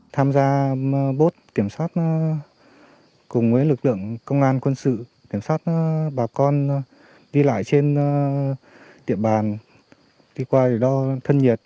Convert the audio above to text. tham gia bốt kiểm soát cùng với lực lượng công an quân sự kiểm soát bà con đi lại trên địa bàn đi qua đo thân nhiệt